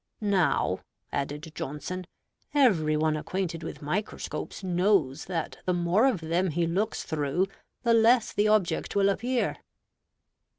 "Now" (added Johnson), "every one acquainted with microscopes knows that the more of them he looks through, the less the object will appear."